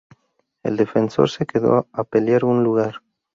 El defensor se quedó a pelear un lugar.